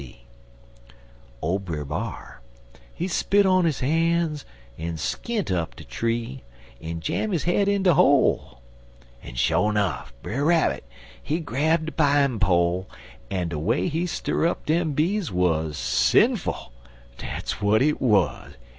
"Ole Brer B'ar, he spit on his han's en skint up de tree, en jam his head in de hole, en sho nuff, Brer Rabbit, he grab de pine pole, en de way he stir up dem bees wuz sinful dat's w'at it wuz.